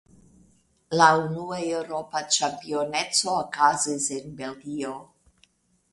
La unua Eŭropa Ĉampioneco okazis en Belgio.